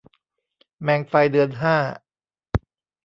แมงไฟเดือนห้า